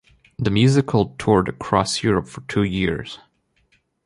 The musical toured across Europe for two years.